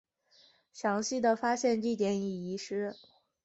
详细的发现地点已遗失。